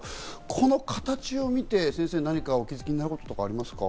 この形を見て、先生何かお気づきなことはありますか？